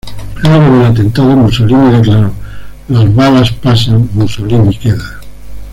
Luego del atentado Mussolini declaró: "Las balas pasan, Mussolini queda".